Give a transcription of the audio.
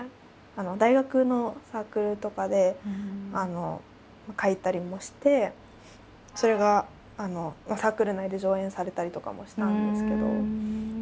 大学のサークルとかで書いたりもしてそれがサークル内で上演されたりとかもしたんですけど。